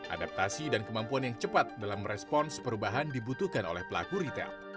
adaptasi dan kemampuan yang cepat dalam merespons perubahan dibutuhkan oleh pelaku retail